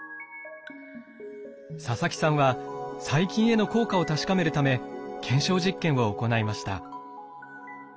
佐々木さんは細菌への効果を確かめるため検証実験を行いました。